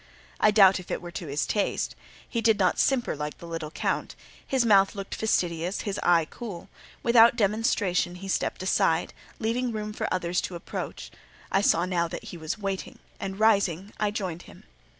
I doubt if it were to his taste: he did not simper like the little Count; his mouth looked fastidious, his eye cool; without demonstration he stepped aside, leaving room for others to approach. I saw now that he was waiting, and, rising, I joined him.